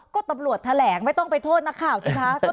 ก็ตำรวจแถลงไม่ต้องไปโทษนักข่าวสิคะ